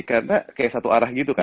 karena kayak satu arah gitu kan